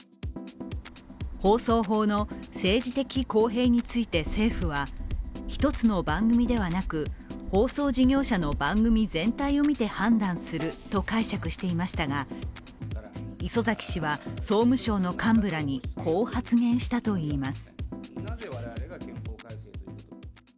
放送法の政治的公平について政府は１つの番組ではなく、放送事業者の番組全体を見て判断すると解釈していましたが礒崎氏は総務省の幹部らにこう発言したといいます。